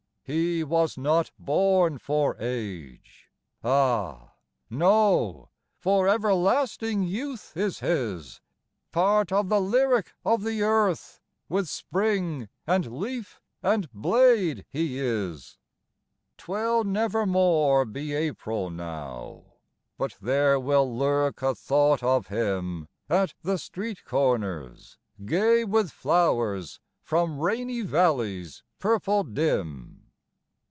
He "was not born for age." Ah no, For everlasting youth is his! Part of the lyric of the earth With spring and leaf and blade he is. 'Twill nevermore be April now But there will lurk a thought of him At the street corners, gay with flowers From rainy valleys purple dim.